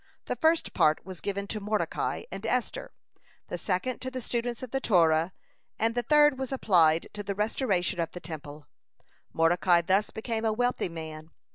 The first part was given to Mordecai and Esther, the second to the students of the Torah, and the third was applied to the restoration of the Temple. (188) Mordecai thus became a wealthy man.